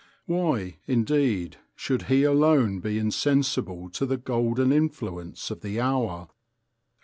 Why, indeed, should he alone be insensible to the golden influence of the hour?